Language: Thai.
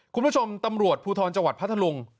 คุณผู้ชมตำรวจภูทรจังหวัดพัทธลุง